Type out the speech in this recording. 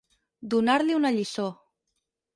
Donar-li una lliçó.